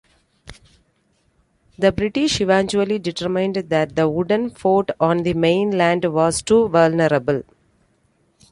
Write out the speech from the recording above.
The British eventually determined that the wooden fort on the mainland was too vulnerable.